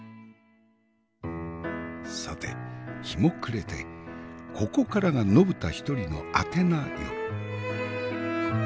さて日も暮れてここからが延田一人のあてなよる。